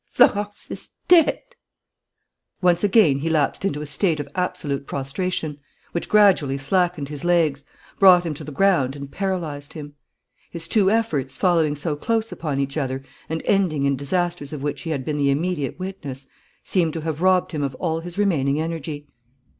Florence is dead!" Once again he lapsed into a state of absolute prostration, which gradually slackened his legs, brought him to the ground and paralyzed him. His two efforts, following so close upon each other and ending in disasters of which he had been the immediate witness, seemed to have robbed him of all his remaining energy.